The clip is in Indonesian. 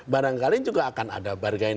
barangkali juga akan ada bargain